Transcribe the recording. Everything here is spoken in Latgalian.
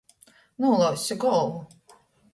Nūlauzsi golvu!